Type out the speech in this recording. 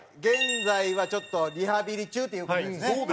現在はちょっとリハビリ中という事ですね。